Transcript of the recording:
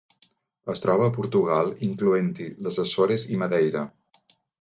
Es troba a Portugal, incloent-hi les Açores i Madeira.